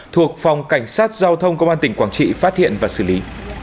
thuộc phòng cảnh sát giao thông công an tỉnh quảng trị phát hiện và xử lý